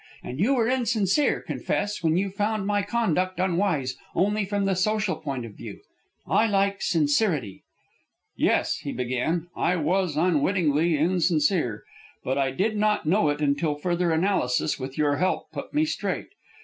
And you were insincere, confess, when you found my conduct unwise only from the social point of view. I like sincerity." "Yes," he began, "I was unwittingly insincere. But I did not know it until further analysis, with your help, put me straight.